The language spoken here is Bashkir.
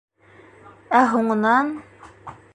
Ә һуңынан...